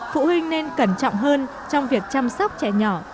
phụ huynh nên cẩn trọng hơn trong việc chăm sóc trẻ nhỏ